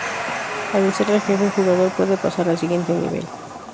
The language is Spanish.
Al vencer al jefe, el jugador puede pasar al siguiente nivel.